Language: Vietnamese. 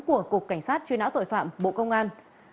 của cục cảnh sát truy nã tội phạm bộ công an